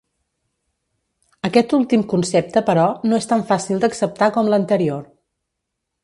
Aquest últim concepte però, no és tan fàcil d'acceptar com l'anterior.